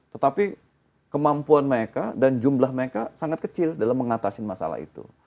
tetapi kemampuan mereka dan jumlah mereka sangat kecil dalam mengatasi masalah itu